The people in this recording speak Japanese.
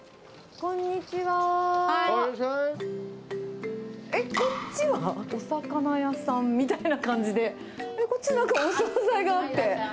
こっちはお魚屋さんみたいな感じで、こっち、なんかお総菜があって。